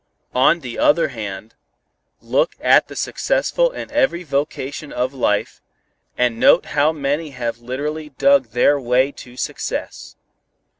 "On the other hand, look at the successful in every vocation of life, and note how many have literally dug their way to success."